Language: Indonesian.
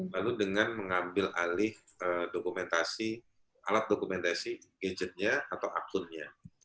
lalu dengan mengambil alih alat dokumentasi gadgetnya atau akunnya